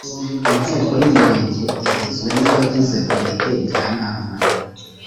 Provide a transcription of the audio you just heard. inteko y’umurenge igizwe n abagize komite njyanama